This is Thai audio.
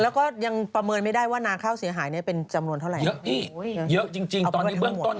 และก็ยังประเมินไม่ได้ว่านาข้าวเสียหายเป็นจำนวนเท่าไหร่